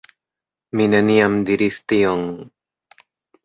Mi neniam diris tion.